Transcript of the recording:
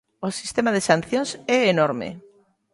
O sistema de sancións é enorme.